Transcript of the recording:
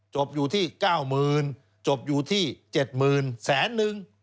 จบอยู่ที่๙หมื่นจบอยู่ที่๗หมื่นแสนนึง